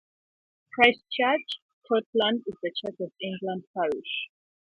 Christ Church, Totland is the Church of England parish.